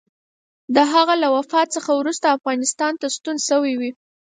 د هغه له وفات څخه وروسته افغانستان ته ستون شوی وي.